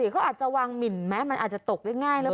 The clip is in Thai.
หรือเขาอาจจะวางหมิ่นแม้มันอาจจะตกง่ายแล้วป่ะ